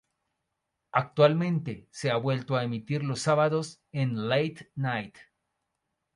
Actualmente se ha vuelto a emitir los sábados en late night.